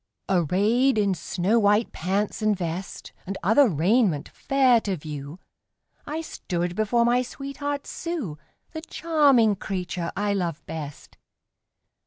Arrayed in snow white pants and vest, And other raiment fair to view, I stood before my sweetheart Sue The charming creature I love best.